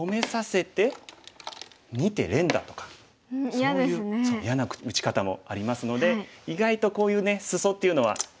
そう嫌な打ち方もありますので意外とこういうねスソっていうのは嫌なもんです。